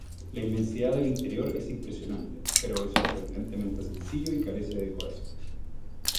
La inmensidad del interior es impresionante, pero es sorprendentemente sencillo y carece de decoración.